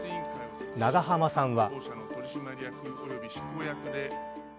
永濱さんは。